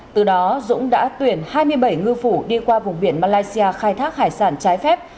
từ đó dũng đã tuyển hai mươi bảy ngư phủ đi qua vùng biển malaysia khai thác hải sản trái phép